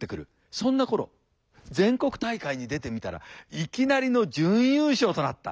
そんな頃全国大会に出てみたらいきなりの準優勝となった。